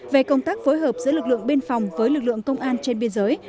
về công tác phối hợp giữa lực lượng biên phòng với lực lượng công an trên biên giới